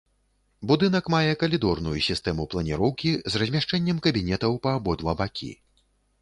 Будынак мае калідорную сістэму планіроўкі з размяшчэннем кабінетаў па абодва бакі.